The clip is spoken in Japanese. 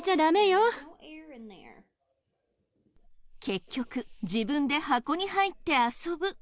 結局自分で箱に入って遊ぶ。